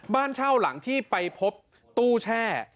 บ้านเช่าหลังที่ไปพบตู้แช่